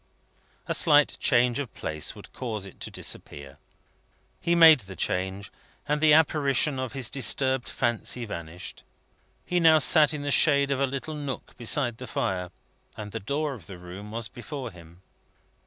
A slight change of place would cause it to disappear. He made the change, and the apparition of his disturbed fancy vanished. He now sat in the shade of a little nook beside the fire, and the door of the room was before him.